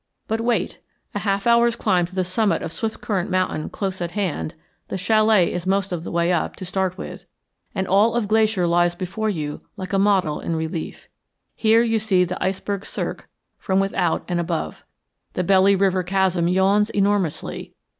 But wait. A half hour's climb to the summit of Swiftcurrent Mountain close at hand (the chalet is most of the way up, to start with) and all of Glacier lies before you like a model in relief. Here you see the Iceberg Cirque from without and above. The Belly River chasm yawns enormously.